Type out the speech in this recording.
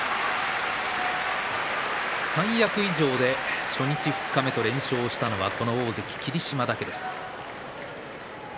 三役以上で初日、二日目と連勝したのはこの大関霧島だけです。